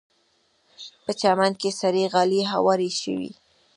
په چمن کې سرې غالۍ هوارې شوې.